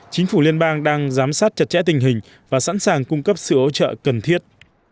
chính phủ liên bang đang giám sát chặt chẽ tình hình và sẵn sàng cung cấp sự ấu trợ cần thiết